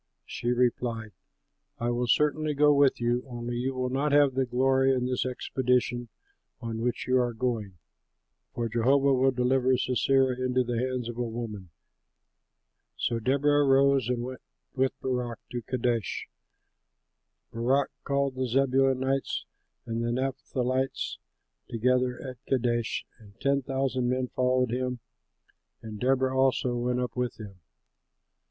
She replied, "I will certainly go with you, only you will not have the glory in this expedition on which you are going, for Jehovah will deliver Sisera into the hands of a woman." So Deborah arose and went with Barak to Kadesh. Barak called the Zebulunites and the Naphtalites together at Kadesh and ten thousand men followed him; and Deborah also went up with him.